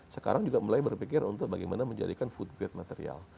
sekarang juga mulai berpikir untuk bagaimana menjadikan food grade material